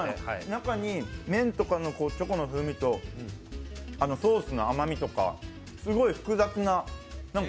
中に麺とかの風味とソースの甘みとかがすごい複雑な。